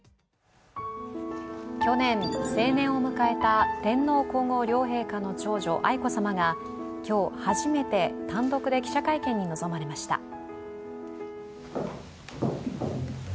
去年、成年を迎えた天皇皇后両陛下の長女愛子さまが今日初めて単独で記者会見に臨まれました。